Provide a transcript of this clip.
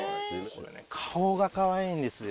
顔がかわいいんですよ。